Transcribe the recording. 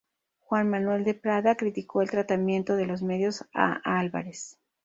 Juan Manuel de Prada criticó el tratamiento de los medios a Álvarez.